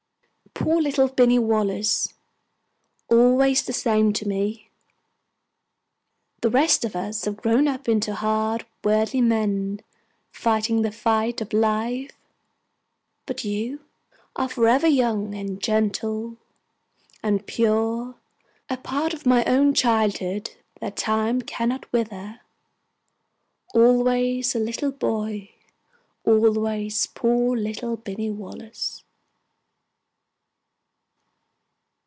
Poor little Binny Wallace! Always the same to me. The rest of us have grown up into hard, worldly men, fighting the fight of life; but you are forever young, and gentle, and pure; a part of my own childhood that time cannot wither; always a little boy, always poor little Binny Wallace!